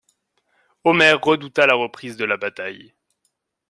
Omer redouta la reprise de la bataille.